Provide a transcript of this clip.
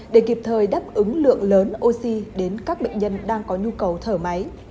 để kịp thời đáp ứng lượng lớn oxy đến các bệnh nhân đang có nhu cầu thở máy